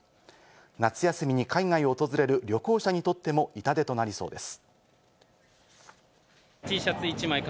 夏休みに海外を訪れる旅行者にとっても痛手となりそうです。